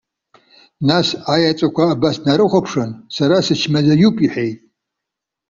Нас аеҵәақәа абас днарыхәаԥшын:- Сара сычмазаҩуп,- иҳәеит.